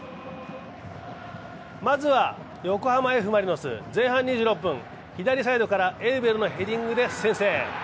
まずは横浜Ｆ・マリノス、前半２６分、左サイドからエウベルのヘディングで先制。